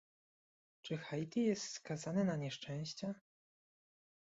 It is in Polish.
Czy Haiti jest skazane na nieszczęścia?